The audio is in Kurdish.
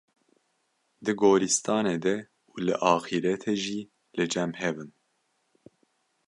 di gorîstanê de û li axîretê jî li cem hev in.